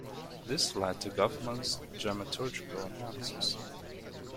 This led to Goffman's dramaturgical analysis.